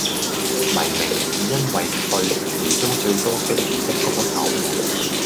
黎明是因為“帥”而遭最多非議的歌手